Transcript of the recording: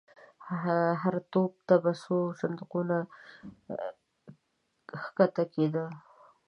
هر توپ ته به څو صندوقونه کښته کېدل.